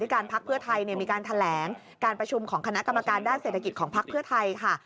การพักเพื่อไทยมีการแถลงการประชุมของคณะกรรมการด้านเศรษฐกิจของพักเพื่อไทยค่ะ